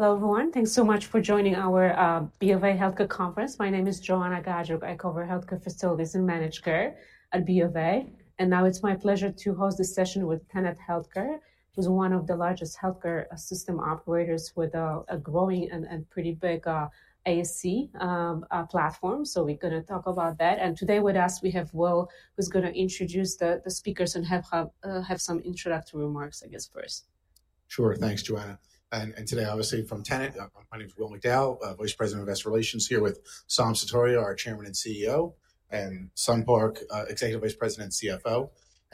Hello, everyone. Thanks so much for joining our BofA Healthcare Conference. My name is Joanna Gajuk. I cover healthcare facilities and managed care at BofA. It is my pleasure to host this session with Tenet Healthcare, who's one of the largest healthcare system operators with a growing and pretty big ASC platform. We are going to talk about that. Today with us, we have Will, who's going to introduce the speakers and have some introductory remarks, I guess, first. Sure. Thanks, Joanna. Today, obviously, from Tenet, my name is Will McDowell, Vice President of Investor Relations here with Saum Sutaria, our Chairman and CEO, and Sun Park, Executive Vice President and CFO.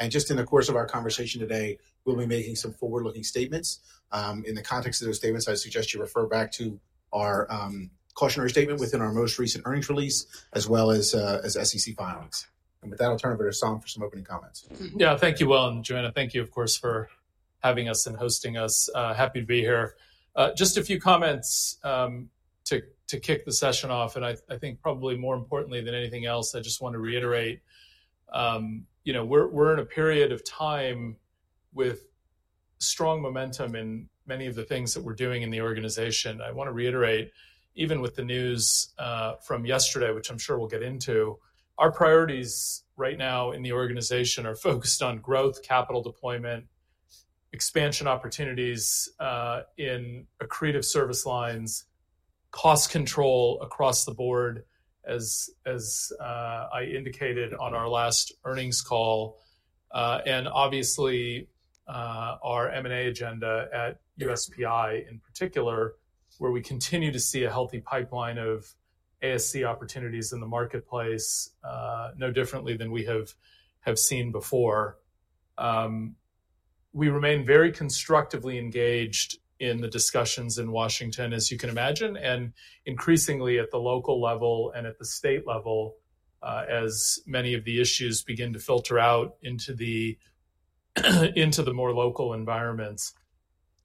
Just in the course of our conversation today, we'll be making some forward-looking statements. In the context of those statements, I suggest you refer back to our cautionary statement within our most recent earnings release, as well as SEC filings. With that, I'll turn it over to Saum for some opening comments. Yeah, thank you, Will, and Joanna. Thank you, of course, for having us and hosting us. Happy to be here. Just a few comments to kick the session off. I think probably more importantly than anything else, I just want to reiterate, you know, we're in a period of time with strong momentum in many of the things that we're doing in the organization. I want to reiterate, even with the news from yesterday, which I'm sure we'll get into, our priorities right now in the organization are focused on growth, capital deployment, expansion opportunities in accretive service lines, cost control across the board, as I indicated on our last earnings call. Obviously, our M&A agenda at USPI in particular, where we continue to see a healthy pipeline of ASC opportunities in the marketplace, no differently than we have seen before. We remain very constructively engaged in the discussions in Washington, as you can imagine, and increasingly at the local level and at the state level, as many of the issues begin to filter out into the more local environments.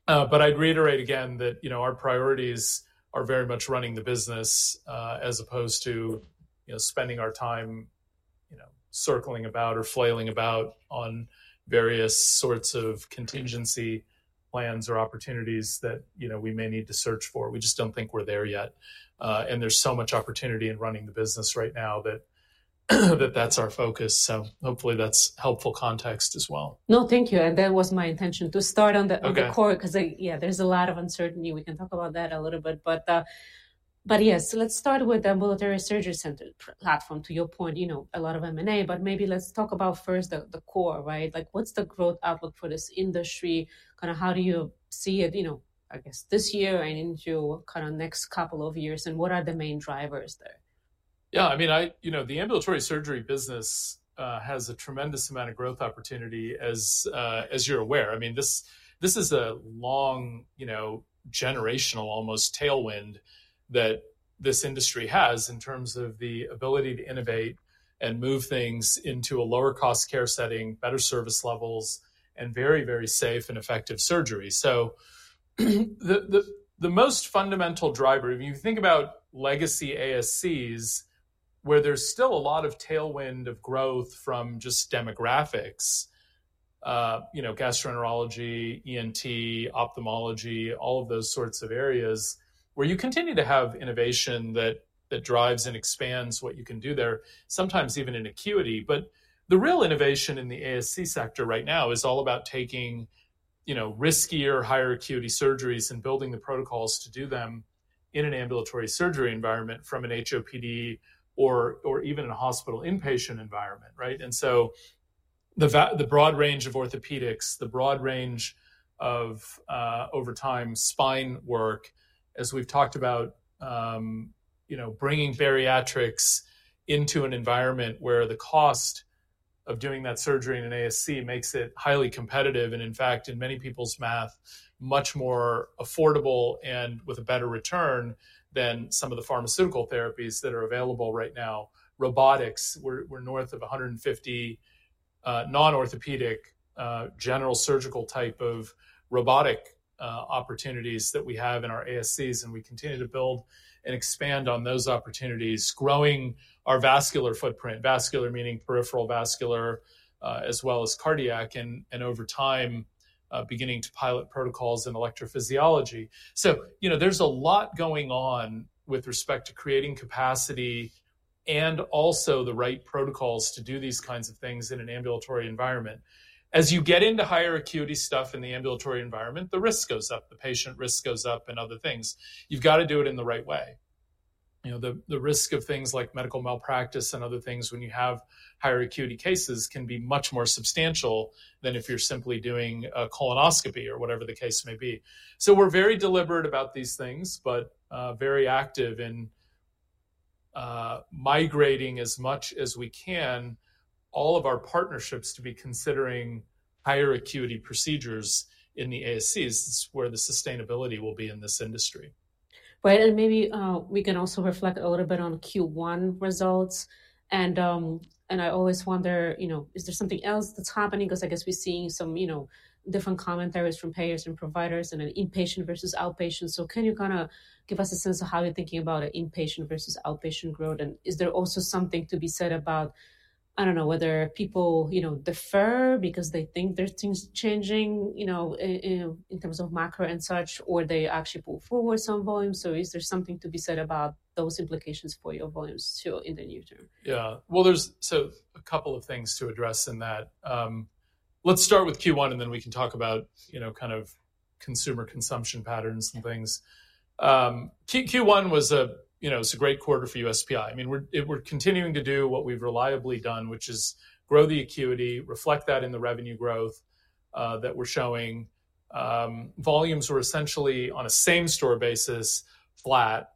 I'd reiterate again that, you know, our priorities are very much running the business, as opposed to, you know, spending our time, you know, circling about or flailing about on various sorts of contingency plans or opportunities that, you know, we may need to search for. We just do not think we're there yet. There is so much opportunity in running the business right now that that's our focus. Hopefully that's helpful context as well. No, thank you. That was my intention to start on the core, because, yeah, there's a lot of uncertainty. We can talk about that a little bit. Yes, let's start with the ambulatory surgery center platform. To your point, you know, a lot of M&A, but maybe let's talk about first the core, right? Like, what's the growth outlook for this industry? Kind of how do you see it, you know, I guess, this year and into kind of next couple of years? What are the main drivers there? Yeah, I mean, I, you know, the ambulatory surgery business has a tremendous amount of growth opportunity, as you're aware. I mean, this is a long, you know, generational, almost tailwind that this industry has in terms of the ability to innovate and move things into a lower-cost care setting, better service levels, and very, very safe and effective surgery. The most fundamental driver, if you think about legacy ASCs, where there's still a lot of tailwind of growth from just demographics, you know, gastroenterology, ENT, ophthalmology, all of those sorts of areas, where you continue to have innovation that drives and expands what you can do there, sometimes even in acuity. The real innovation in the ASC sector right now is all about taking, you know, riskier, higher acuity surgeries and building the protocols to do them in an ambulatory surgery environment from an HOPD or even a hospital inpatient environment, right? The broad range of orthopedics, the broad range of, over time, spine work, as we've talked about, you know, bringing bariatrics into an environment where the cost of doing that surgery in an ASC makes it highly competitive and, in fact, in many people's math, much more affordable and with a better return than some of the pharmaceutical therapies that are available right now. Robotics, we're north of 150 non-orthopedic general surgical type of robotic opportunities that we have in our ASCs. We continue to build and expand on those opportunities, growing our vascular footprint, vascular meaning peripheral vascular, as well as cardiac, and over time, beginning to pilot protocols in electrophysiology. You know, there is a lot going on with respect to creating capacity and also the right protocols to do these kinds of things in an ambulatory environment. As you get into higher acuity stuff in the ambulatory environment, the risk goes up, the patient risk goes up and other things. You have got to do it in the right way. You know, the risk of things like medical malpractice and other things when you have higher acuity cases can be much more substantial than if you are simply doing a colonoscopy or whatever the case may be. We're very deliberate about these things, but very active in migrating as much as we can all of our partnerships to be considering higher acuity procedures in the ASCs, where the sustainability will be in this industry. Maybe we can also reflect a little bit on Q1 results. I always wonder, you know, is there something else that's happening? Because I guess we're seeing some, you know, different commentaries from payers and providers and inpatient versus outpatient. Can you kind of give us a sense of how you're thinking about inpatient versus outpatient growth? Is there also something to be said about, I don't know, whether people, you know, defer because they think there's things changing, you know, in terms of macro and such, or they actually pull forward some volumes? Is there something to be said about those implications for your volumes too in the near term? Yeah, well, there's a couple of things to address in that. Let's start with Q1, and then we can talk about, you know, kind of consumer consumption patterns and things. Q1 was a, you know, it's a great quarter for USPI. I mean, we're continuing to do what we've reliably done, which is grow the acuity, reflect that in the revenue growth that we're showing. Volumes were essentially on a same store basis, flat.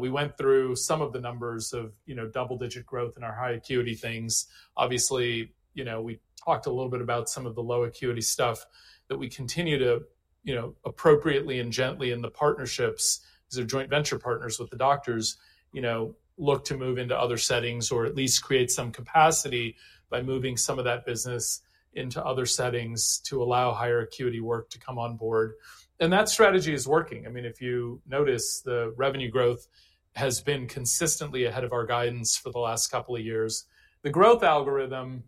We went through some of the numbers of, you know, double-digit growth in our high acuity things. Obviously, you know, we talked a little bit about some of the low acuity stuff that we continue to, you know, appropriately and gently in the partnerships because they're joint venture partners with the doctors, you know, look to move into other settings or at least create some capacity by moving some of that business into other settings to allow higher acuity work to come on board. That strategy is working. I mean, if you notice, the revenue growth has been consistently ahead of our guidance for the last couple of years. The growth algorithm,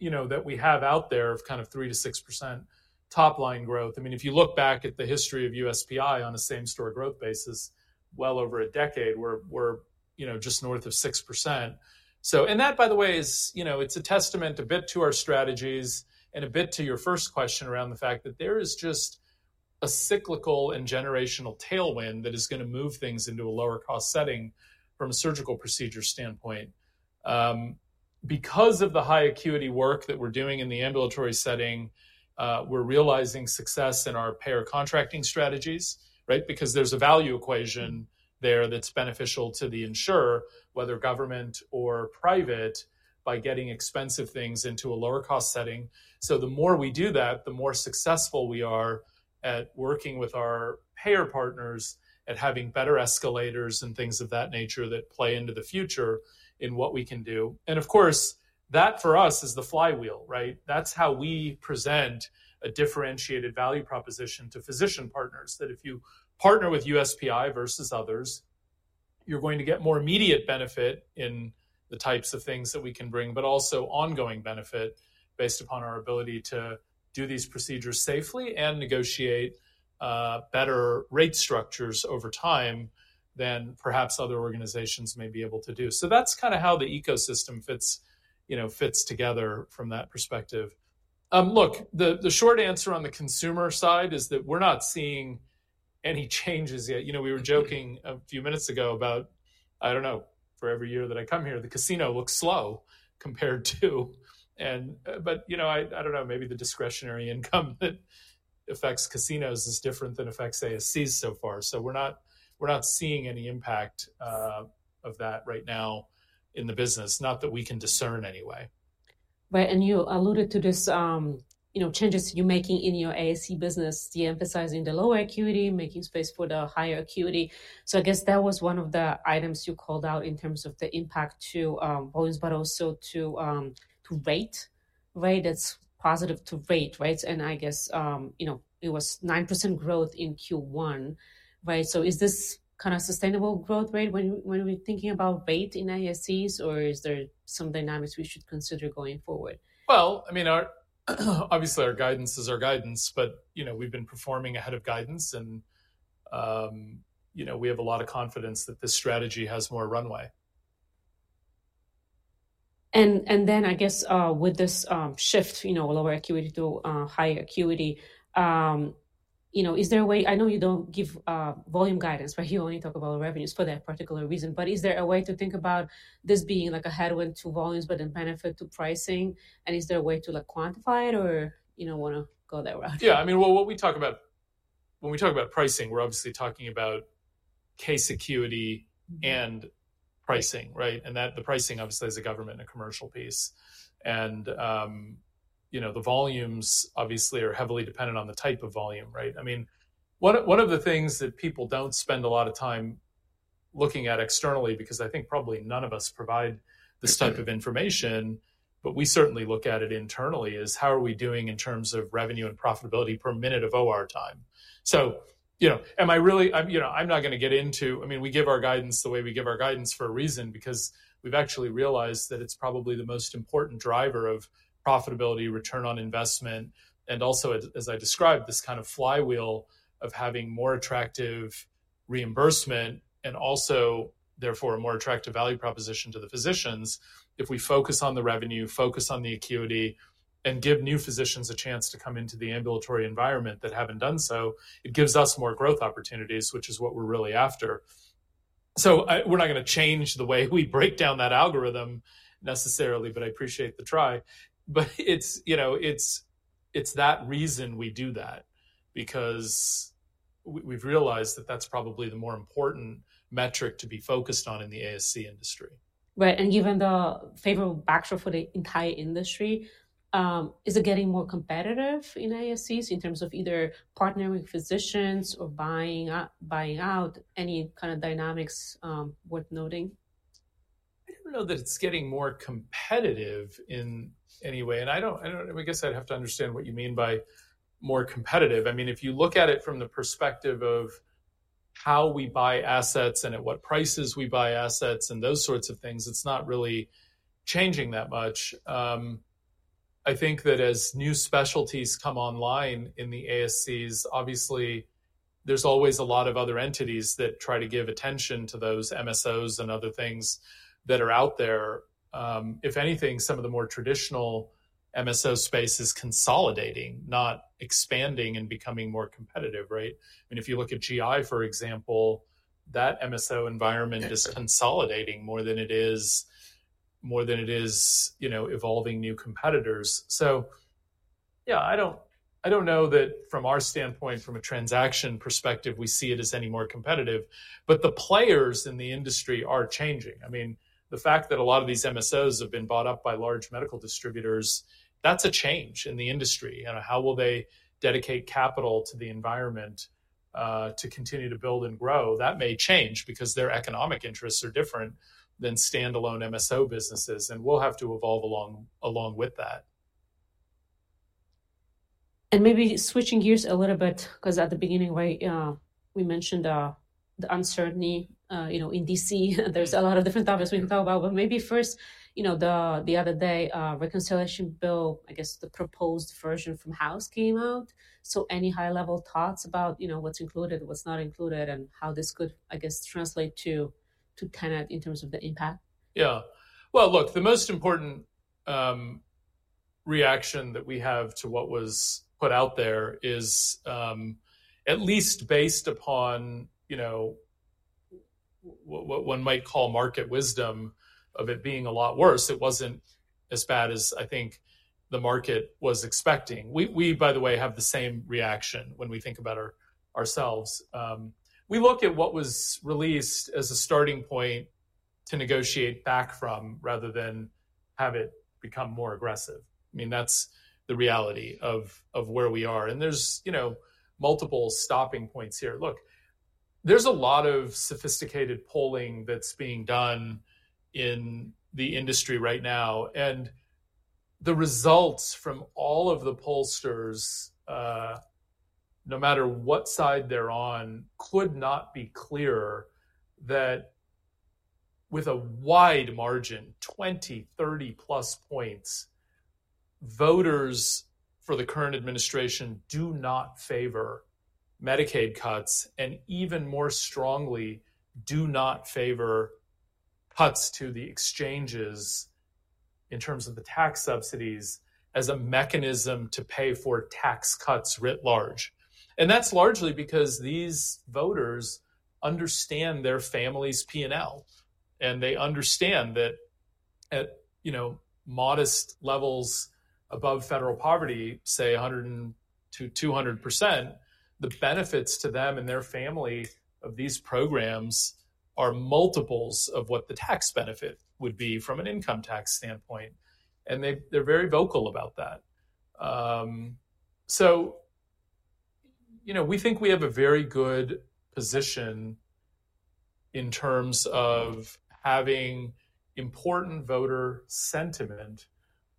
you know, that we have out there of kind of 3%-6% top line growth, I mean, if you look back at the history of USPI on a same store growth basis, well over a decade, we're, you know, just north of 6%. That, by the way, is, you know, it's a testament a bit to our strategies and a bit to your first question around the fact that there is just a cyclical and generational tailwind that is going to move things into a lower-cost setting from a surgical procedure standpoint. Because of the high acuity work that we're doing in the ambulatory setting, we're realizing success in our payer contracting strategies, right? Because there's a value equation there that's beneficial to the insurer, whether government or private, by getting expensive things into a lower-cost setting. The more we do that, the more successful we are at working with our payer partners at having better escalators and things of that nature that play into the future in what we can do. Of course, that for us is the flywheel, right? That's how we present a differentiated value proposition to physician partners, that if you partner with USPI versus others, you're going to get more immediate benefit in the types of things that we can bring, but also ongoing benefit based upon our ability to do these procedures safely and negotiate better rate structures over time than perhaps other organizations may be able to do. That's kind of how the ecosystem fits, you know, fits together from that perspective. Look, the short answer on the consumer side is that we're not seeing any changes yet. You know, we were joking a few minutes ago about, I don't know, for every year that I come here, the casino looks slow compared to, and, but, you know, I don't know, maybe the discretionary income that affects casinos is different than affects ASCs so far. We're not seeing any impact of that right now in the business, not that we can discern anyway. Right. And you alluded to this, you know, changes you're making in your ASC business, de-emphasizing the lower acuity, making space for the higher acuity. I guess that was one of the items you called out in terms of the impact to volumes, but also to rate, right? That's positive to rate, right? I guess, you know, it was 9% growth in Q1, right? Is this kind of sustainable growth rate when we're thinking about rate in ASCs, or is there some dynamics we should consider going forward? I mean, obviously our guidance is our guidance, but, you know, we've been performing ahead of guidance. You know, we have a lot of confidence that this strategy has more runway. I guess with this shift, you know, lower acuity to high acuity, you know, is there a way, I know you do not give volume guidance, right? You only talk about revenues for that particular reason. Is there a way to think about this being like a headwind to volumes, but then benefit to pricing? Is there a way to quantify it or, you know, want to go that route? Yeah, I mean, what we talk about, when we talk about pricing, we're obviously talking about case acuity and pricing, right? That the pricing obviously has a government and a commercial piece. You know, the volumes obviously are heavily dependent on the type of volume, right? I mean, one of the things that people don't spend a lot of time looking at externally, because I think probably none of us provide this type of information, but we certainly look at it internally, is how are we doing in terms of revenue and profitability per minute of OR time? You know, am I really, you know, I'm not going to get into, I mean, we give our guidance the way we give our guidance for a reason, because we've actually realized that it's probably the most important driver of profitability, return on investment, and also, as I described, this kind of flywheel of having more attractive reimbursement and also therefore a more attractive value proposition to the physicians. If we focus on the revenue, focus on the acuity, and give new physicians a chance to come into the ambulatory environment that haven't done so, it gives us more growth opportunities, which is what we're really after. We're not going to change the way we break down that algorithm necessarily, but I appreciate the try. It's, you know, it's that reason we do that, because we've realized that that's probably the more important metric to be focused on in the ASC industry. Right. Given the favorable backdrop for the entire industry, is it getting more competitive in ASCs in terms of either partnering with physicians or buying out any kind of dynamics worth noting? I don't know that it's getting more competitive in any way. I don't, I guess I'd have to understand what you mean by more competitive. I mean, if you look at it from the perspective of how we buy assets and at what prices we buy assets and those sorts of things, it's not really changing that much. I think that as new specialties come online in the ASCs, obviously there's always a lot of other entities that try to give attention to those MSOs and other things that are out there. If anything, some of the more traditional MSO space is consolidating, not expanding and becoming more competitive, right? I mean, if you look at GI, for example, that MSO environment is consolidating more than it is, more than it is, you know, evolving new competitors. Yeah, I don't know that from our standpoint, from a transaction perspective, we see it as any more competitive. The players in the industry are changing. I mean, the fact that a lot of these MSOs have been bought up by large medical distributors, that's a change in the industry. How will they dedicate capital to the environment to continue to build and grow? That may change because their economic interests are different than standalone MSO businesses, and we'll have to evolve along with that. Maybe switching gears a little bit, because at the beginning, right, we mentioned the uncertainty, you know, in D.C., there's a lot of different topics we can talk about. Maybe first, you know, the other day, reconciliation bill, I guess the proposed version from House came out. Any high-level thoughts about, you know, what's included, what's not included, and how this could, I guess, translate to Tenet in terms of the impact? Yeah. Look, the most important reaction that we have to what was put out there is at least based upon, you know, what one might call market wisdom of it being a lot worse. It was not as bad as I think the market was expecting. We, by the way, have the same reaction when we think about ourselves. We look at what was released as a starting point to negotiate back from rather than have it become more aggressive. I mean, that's the reality of where we are. And there's, you know, multiple stopping points here. Look, there's a lot of sophisticated polling that's being done in the industry right now. The results from all of the pollsters, no matter what side they're on, could not be clearer that with a wide margin, 20-30+ points, voters for the current administration do not favor Medicaid cuts and even more strongly do not favor cuts to the exchanges in terms of the tax subsidies as a mechanism to pay for tax cuts writ large. That's largely because these voters understand their family's P&L, and they understand that at, you know, modest levels above federal poverty, say 100%-200%, the benefits to them and their family of these programs are multiples of what the tax benefit would be from an income tax standpoint. They're very vocal about that. You know, we think we have a very good position in terms of having important voter sentiment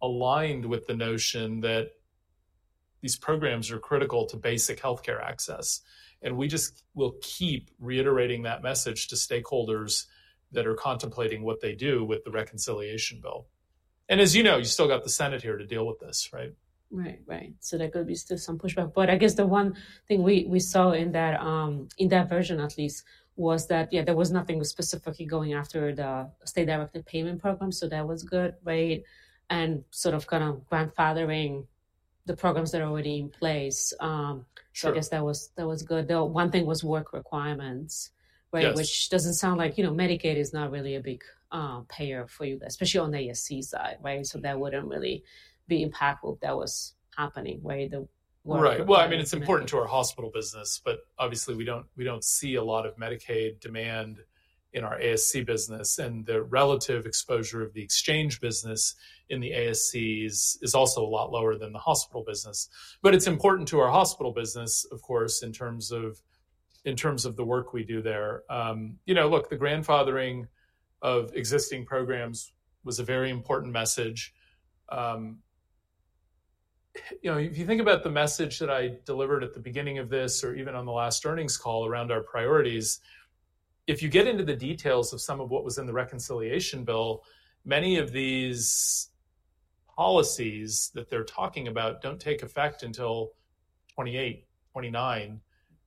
aligned with the notion that these programs are critical to basic healthcare access. We just will keep reiterating that message to stakeholders that are contemplating what they do with the reconciliation bill. As you know, you still got the Senate here to deal with this, right? Right, right. There could be still some pushback. I guess the one thing we saw in that version, at least, was that, yeah, there was nothing specifically going after the State-Directed Payment Program. That was good, right? Sort of kind of grandfathering the programs that are already in place. I guess that was good. One thing was work requirements, right? Which doesn't sound like, you know, Medicaid is not really a big payer for you, especially on the ASC side, right? That wouldn't really be impactful if that was happening, right? Right. I mean, it's important to our hospital business, but obviously we don't see a lot of Medicaid demand in our ASC business. The relative exposure of the exchange business in the ASCs is also a lot lower than the hospital business. It's important to our hospital business, of course, in terms of the work we do there. You know, look, the grandfathering of existing programs was a very important message. If you think about the message that I delivered at the beginning of this or even on the last earnings call around our priorities, if you get into the details of some of what was in the reconciliation bill, many of these policies that they're talking about don't take effect until 2028, 2029,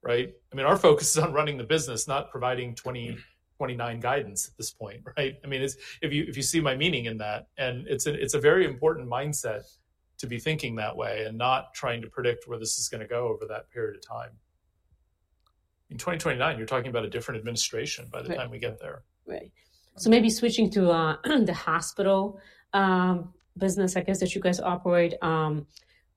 right? I mean, our focus is on running the business, not providing 2029 guidance at this point, right? I mean, if you see my meaning in that, and it's a very important mindset to be thinking that way and not trying to predict where this is going to go over that period of time. In 2029, you're talking about a different administration by the time we get there. Right. Maybe switching to the hospital business, I guess, that you guys operate,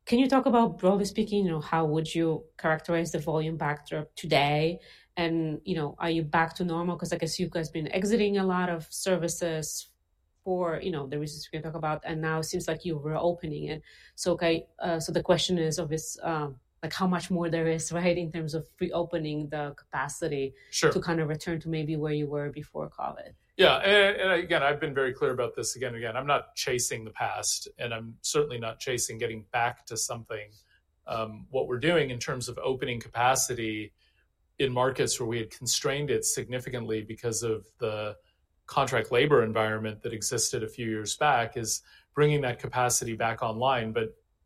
can you talk about, broadly speaking, you know, how would you characterize the volume backdrop today? You know, are you back to normal? I guess you guys have been exiting a lot of services for, you know, the reasons we can talk about, and now it seems like you were opening it. The question is obviously like how much more there is, right, in terms of reopening the capacity to kind of return to maybe where you were before COVID? Yeah. Again, I've been very clear about this again and again. I'm not chasing the past, and I'm certainly not chasing getting back to something. What we're doing in terms of opening capacity in markets where we had constrained it significantly because of the contract labor environment that existed a few years back is bringing that capacity back online.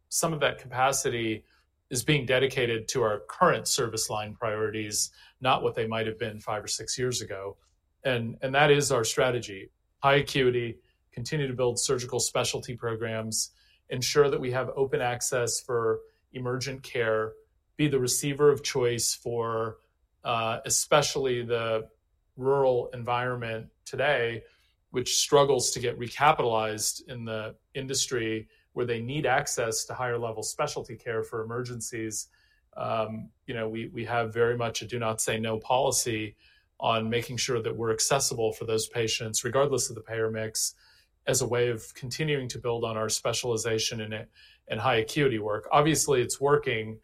Some of that capacity is being dedicated to our current service line priorities, not what they might have been five or six years ago. That is our strategy. High acuity, continue to build surgical specialty programs, ensure that we have open access for emergent care, be the receiver of choice for especially the rural environment today, which struggles to get recapitalized in the industry where they need access to higher level specialty care for emergencies. You know, we have very much a do not say no policy on making sure that we're accessible for those patients, regardless of the payer mix, as a way of continuing to build on our specialization in high acuity work. Obviously, it's working,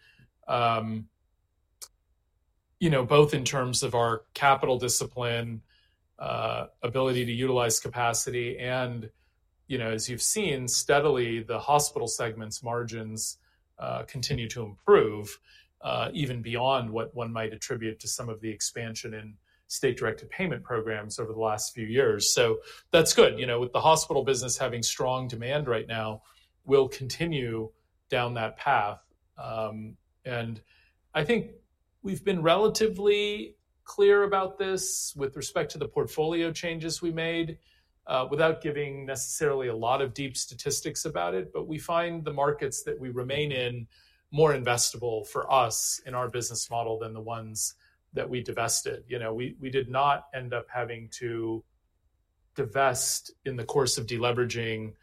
you know, both in terms of our capital discipline, ability to utilize capacity, and, you know, as you've seen steadily, the hospital segment's margins continue to improve even beyond what one might attribute to some of the expansion in State-Directed Payment programs over the last few years. That's good. You know, with the hospital business having strong demand right now, we'll continue down that path. I think we've been relatively clear about this with respect to the portfolio changes we made without giving necessarily a lot of deep statistics about it. We find the markets that we remain in more investable for us in our business model than the ones that we divested. You know, we did not end up having to divest in the course of deleveraging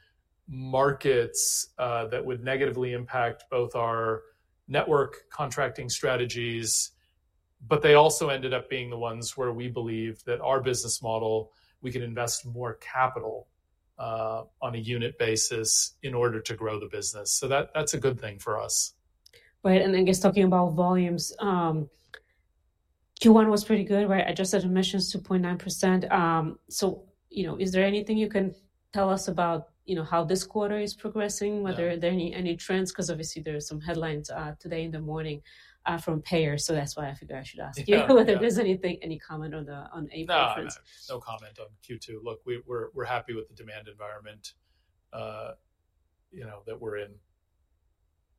markets that would negatively impact both our network contracting strategies, but they also ended up being the ones where we believe that our business model, we can invest more capital on a unit basis in order to grow the business. That is a good thing for us. Right. And I guess talking about volumes, Q1 was pretty good, right? Adjusted admissions 2.9%. So, you know, is there anything you can tell us about, you know, how this quarter is progressing, whether there are any trends? Because obviously there are some headlines today in the morning from payers. So that's why I figured I should ask you whether there's anything, any comment on the April trends. Yeah, no comment on Q2. Look, we're happy with the demand environment, you know, that we're in.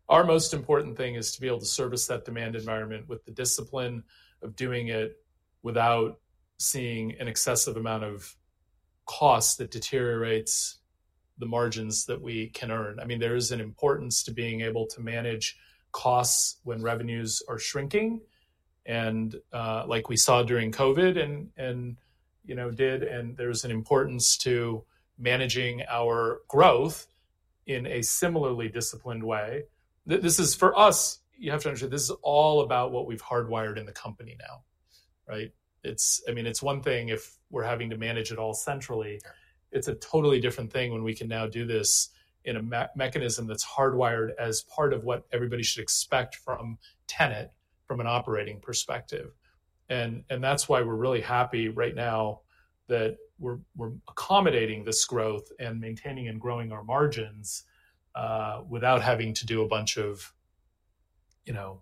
Our most important thing is to be able to service that demand environment with the discipline of doing it without seeing an excessive amount of cost that deteriorates the margins that we can earn. I mean, there is an importance to being able to manage costs when revenues are shrinking. Like we saw during COVID and, you know, did, and there is an importance to managing our growth in a similarly disciplined way. This is for us, you have to understand this is all about what we've hardwired in the company now, right? I mean, it's one thing if we're having to manage it all centrally. It's a totally different thing when we can now do this in a mechanism that's hardwired as part of what everybody should expect from Tenet from an operating perspective. That's why we're really happy right now that we're accommodating this growth and maintaining and growing our margins without having to do a bunch of, you know,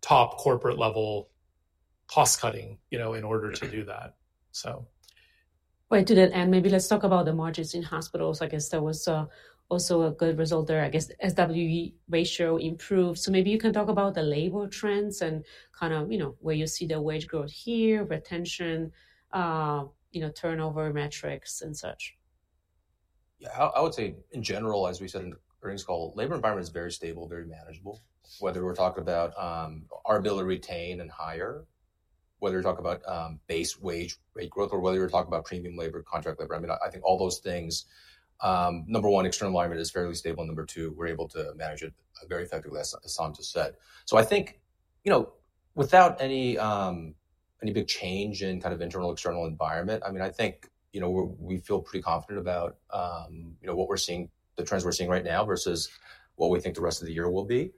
top corporate level cost cutting, you know, in order to do that. Right. Maybe let's talk about the margins in hospitals. I guess there was also a good result there. I guess SWE ratio improved. Maybe you can talk about the labor trends and kind of, you know, where you see the wage growth here, retention, you know, turnover metrics and such. Yeah, I would say in general, as we said in the earnings call, labor environment is very stable, very manageable, whether we're talking about our ability to retain and hire, whether you're talking about base wage rate growth, or whether you're talking about premium labor, contract labor. I mean, I think all those things, number one, external environment is fairly stable. Number two, we're able to manage it very effectively as Saum just said. I think, you know, without any big change in kind of internal external environment, I mean, I think, you know, we feel pretty confident about, you know, what we're seeing, the trends we're seeing right now versus what we think the rest of the year will be.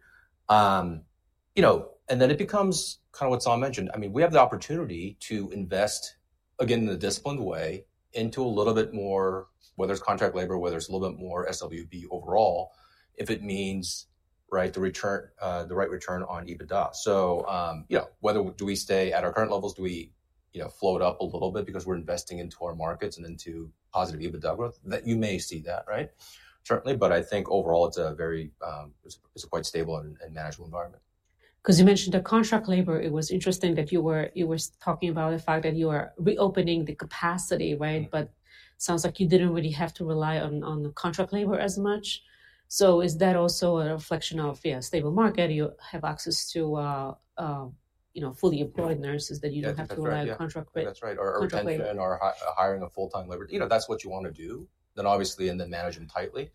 You know, and then it becomes kind of what Saum mentioned. I mean, we have the opportunity to invest again in the disciplined way into a little bit more, whether it's contract labor, whether it's a little bit more SWB overall, if it means, right, the right return on EBITDA. So, you know, whether do we stay at our current levels, do we, you know, float up a little bit because we're investing into our markets and into positive EBITDA growth, that you may see that, right? Certainly. I think overall it's a very, it's a quite stable and manageable environment. Because you mentioned the contract labor, it was interesting that you were talking about the fact that you are reopening the capacity, right? It sounds like you did not really have to rely on contract labor as much. Is that also a reflection of, yeah, stable market? You have access to, you know, fully employed nurses that you do not have to rely on contract labor. That's right. Or hiring a full-time labor. You know, that's what you want to do. Obviously in the management tightly.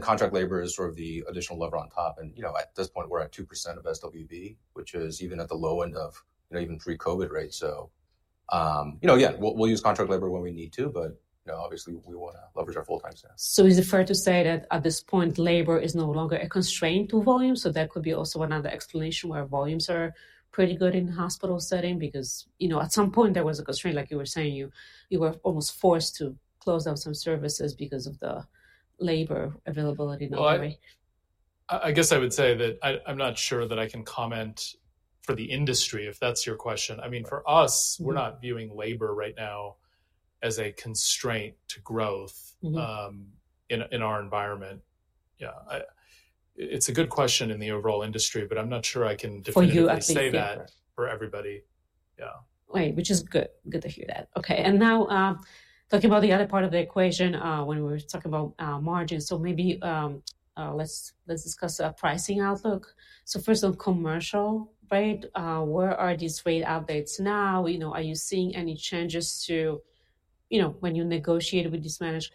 Contract labor is sort of the additional lever on top. You know, at this point we're at 2% of SWB, which is even at the low end of, you know, even pre-COVID, right? You know, yeah, we'll use contract labor when we need to, but, you know, obviously we want to leverage our full-time staff. Is it fair to say that at this point labor is no longer a constraint to volume? That could be also another explanation where volumes are pretty good in the hospital setting because, you know, at some point there was a constraint, like you were saying, you were almost forced to close down some services because of the labor availability now, right? I guess I would say that I'm not sure that I can comment for the industry if that's your question. I mean, for us, we're not viewing labor right now as a constraint to growth in our environment. Yeah. It's a good question in the overall industry, but I'm not sure I can definitively say that for everybody. Yeah. Right. Which is good. Good to hear that. Okay. Now talking about the other part of the equation when we were talking about margins. Maybe let's discuss a pricing outlook. First on commercial, right? Where are these rate updates now? You know, are you seeing any changes to, you know, when you negotiate with these managed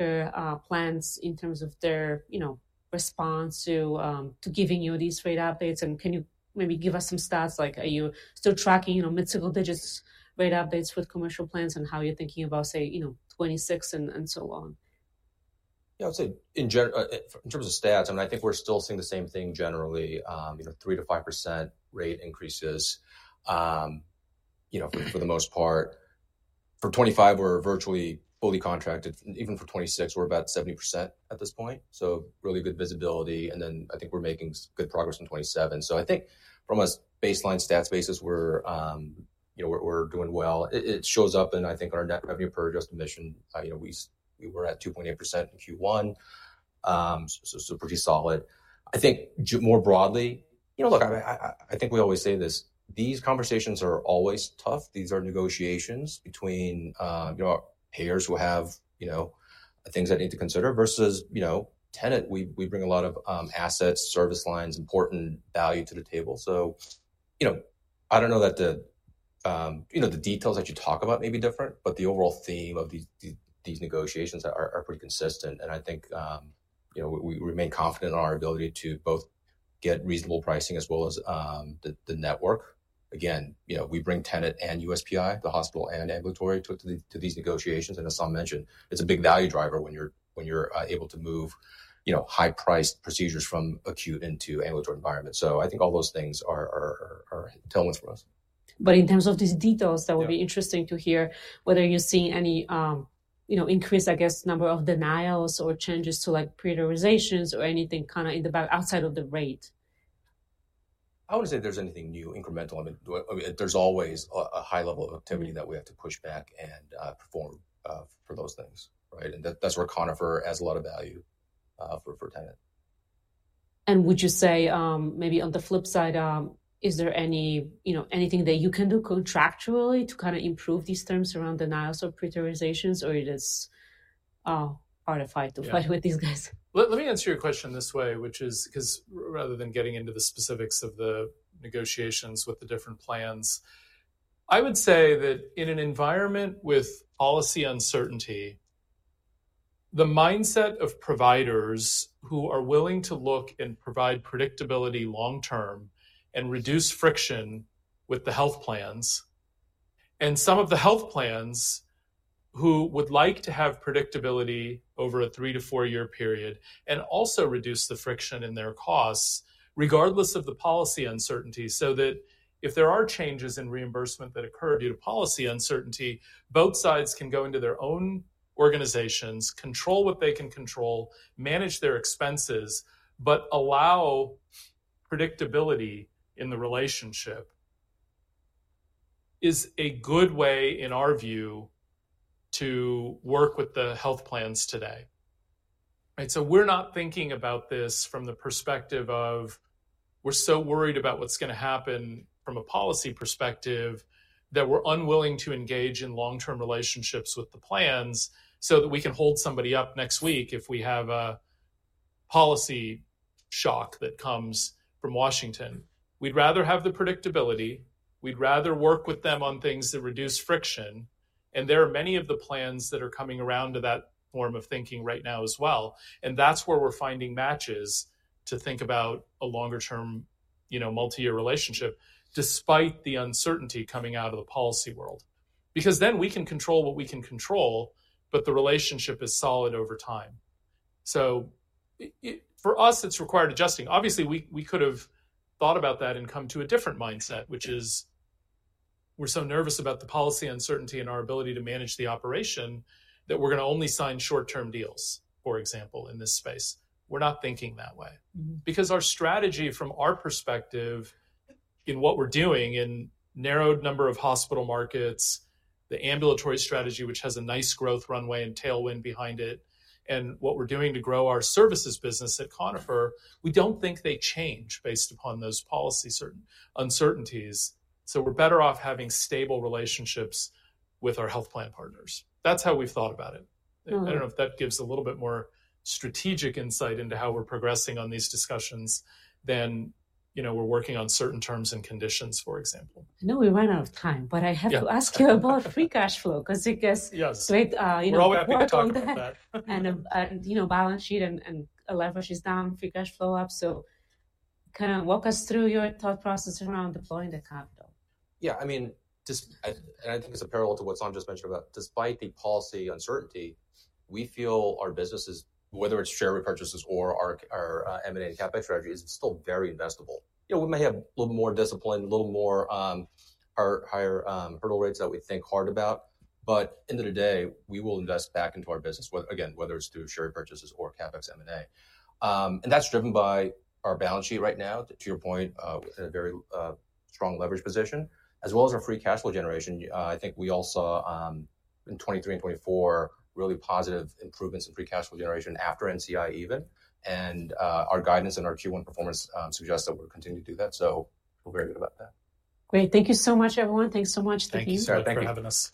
plans in terms of their, you know, response to giving you these rate updates? Can you maybe give us some stats? Like are you still tracking, you know, mid-single digits rate updates with commercial plans and how you're thinking about, say, 2026 and so on? Yeah, I would say in terms of stats, I mean, I think we're still seeing the same thing generally, you know, 3%-5% rate increases, you know, for the most part. For 2025, we're virtually fully contracted. Even for 2026, we're about 70% at this point. So really good visibility. And then I think we're making good progress in 2027. So I think from a baseline stats basis, we're, you know, we're doing well. It shows up in, I think, our net revenue per adjusted admission. You know, we were at 2.8% in Q1. So pretty solid. I think more broadly, you know, look, I think we always say this. These conversations are always tough. These are negotiations between, you know, our payers who have, you know, things that need to consider versus, you know, Tenet. We bring a lot of assets, service lines, important value to the table. You know, I don't know that the, you know, the details that you talk about may be different, but the overall theme of these negotiations are pretty consistent. I think, you know, we remain confident in our ability to both get reasonable pricing as well as the network. Again, you know, we bring Tenet and USPI, the hospital and ambulatory to these negotiations. As Saum mentioned, it's a big value driver when you're able to move, you know, high-priced procedures from acute into ambulatory environment. I think all those things are telling us for us. In terms of these details, that would be interesting to hear whether you're seeing any, you know, increase, I guess, number of denials or changes to like prioritizations or anything kind of in the outside of the rate. I wouldn't say there's anything new incremental. I mean, there's always a high level of activity that we have to push back and perform for those things, right? That's where Conifer adds a lot of value for Tenet. Would you say maybe on the flip side, is there any, you know, anything that you can do contractually to kind of improve these terms around denials or prioritizations, or is it hard to fight with these guys? Let me answer your question this way, which is because rather than getting into the specifics of the negotiations with the different plans, I would say that in an environment with policy uncertainty, the mindset of providers who are willing to look and provide predictability long term and reduce friction with the health plans and some of the health plans who would like to have predictability over a three to four year period and also reduce the friction in their costs regardless of the policy uncertainty, so that if there are changes in reimbursement that occur due to policy uncertainty, both sides can go into their own organizations, control what they can control, manage their expenses, but allow predictability in the relationship is a good way in our view to work with the health plans today. Right? We're not thinking about this from the perspective of we're so worried about what's going to happen from a policy perspective that we're unwilling to engage in long-term relationships with the plans so that we can hold somebody up next week if we have a policy shock that comes from Washington. We'd rather have the predictability. We'd rather work with them on things that reduce friction. There are many of the plans that are coming around to that form of thinking right now as well. That's where we're finding matches to think about a longer term, you know, multi-year relationship despite the uncertainty coming out of the policy world. Because then we can control what we can control, but the relationship is solid over time. For us, it's required adjusting. Obviously, we could have thought about that and come to a different mindset, which is we're so nervous about the policy uncertainty and our ability to manage the operation that we're going to only sign short-term deals, for example, in this space. We're not thinking that way. Because our strategy from our perspective in what we're doing in a narrowed number of hospital markets, the ambulatory strategy, which has a nice growth runway and tailwind behind it, and what we're doing to grow our services business at Conifer, we don't think they change based upon those policy uncertainties. We are better off having stable relationships with our health plan partners. That's how we've thought about it. I don't know if that gives a little bit more strategic insight into how we're progressing on these discussions than, you know, we're working on certain terms and conditions, for example. I know we ran out of time, but I have to ask you about free cash flow because I guess, you know We're talking about that. and, you know, balance sheet and leverage is down, free cash flow up. Kind of walk us through your thought process around deploying the capital. Yeah. I mean, and I think it's a parallel to what Saum just mentioned about despite the policy uncertainty, we feel our businesses, whether it's share repurchases or our M&A and CapEx strategies, it's still very investable. You know, we may have a little more discipline, a little more higher hurdle rates that we think hard about. At the end of the day, we will invest back into our business, again, whether it's through share repurchases or CapEx M&A. That's driven by our balance sheet right now, to your point, in a very strong leverage position, as well as our free cash flow generation. I think we all saw in 2023 and 2024 really positive improvements in free cash flow generation after NCI even. Our guidance and our Q1 performance suggests that we'll continue to do that. We're very good about that. Great. Thank you so much, everyone. Thanks so much. Thank you. Thank you for having us.